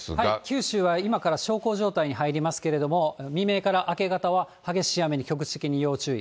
九州は今から小康状態に入りますけれども、未明から明け方は、激しい雨に局地的に要注意。